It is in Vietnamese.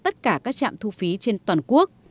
tất cả các trạm thu phí trên toàn quốc